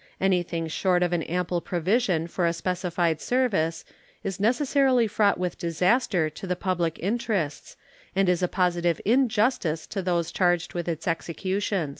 Anything short of an ample provision for a specified service is necessarily fraught with disaster to the public interests and is a positive injustice to those charged with its execution.